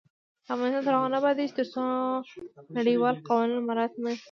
افغانستان تر هغو نه ابادیږي، ترڅو نړیوال قوانین مراعت نشي.